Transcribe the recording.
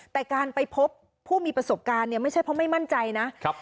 แต่การไปพบผู้มีประสบการณ์เนี่ยไม่ใช่เพราะไม่มั่นใจนะครับ